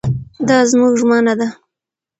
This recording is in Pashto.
دا زموږ ژمنه ده.